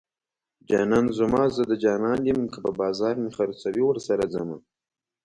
جانان زما زه د جانان يم که په بازار مې خرڅوي ورسره ځمه